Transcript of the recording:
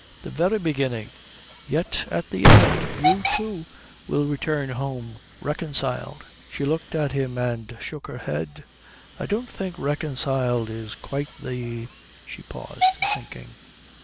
"The very beginning." "Yet at the end you, too, will return home reconciled." She looked at him and shook her head. "I don't think reconciled is quite the " She paused, thinking.